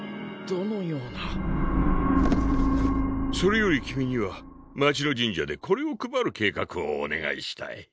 それより君には街の神社でこれを配る計画をお願いしたい。